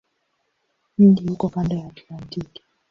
Mji uko kando la Atlantiki.